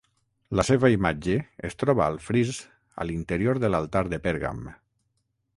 La seva imatge es troba al fris a l'interior de l'Altar de Pèrgam.